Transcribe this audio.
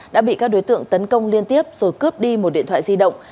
đã bị các đối tượng tấn công liên tiếp rồi cướp đi một điện thoại di động